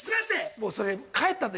もうそれ帰ったんだよ